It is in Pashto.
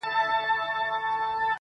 هسي نه راڅخه ورکه سي دا لاره٫